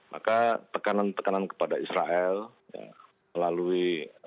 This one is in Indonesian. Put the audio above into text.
maka tekanan tekanan kepada israel melalui